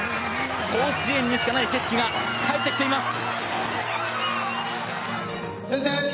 甲子園にしかない景色が帰ってきています。